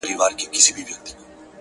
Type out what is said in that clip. ه بيا دي سترگي سرې ښكاريږي _